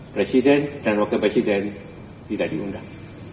presiden dan wakil presiden tidak diundang